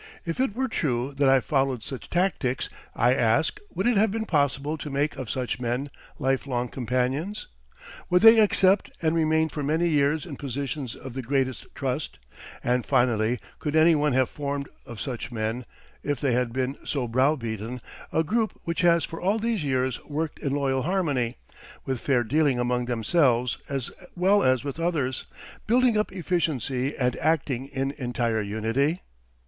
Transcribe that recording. If it were true that I followed such tactics, I ask, would it have been possible to make of such men life long companions? Would they accept, and remain for many years in positions of the greatest trust, and finally, could any one have formed of such men, if they had been so browbeaten, a group which has for all these years worked in loyal harmony, with fair dealing among themselves as well as with others, building up efficiency and acting in entire unity?